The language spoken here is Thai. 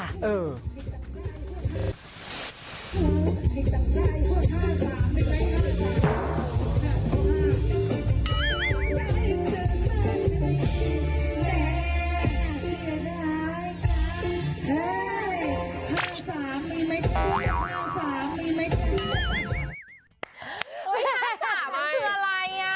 ไม่ใช่จ้ะมันคืออะไรอ่ะ